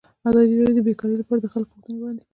ازادي راډیو د بیکاري لپاره د خلکو غوښتنې وړاندې کړي.